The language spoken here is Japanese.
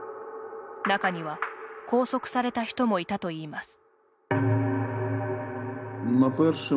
中には、拘束された人もいたといいます。